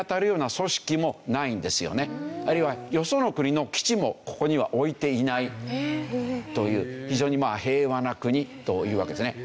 あるいはよその国の基地もここには置いていないという非常に平和な国というわけですね。